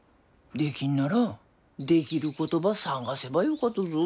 できんならできることば探せばよかとぞ。